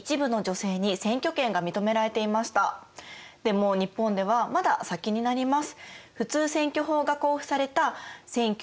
でも日本ではまだ先になります。